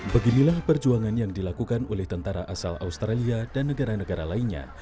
beginilah perjuangan yang dilakukan oleh tentara asal australia dan negara negara lainnya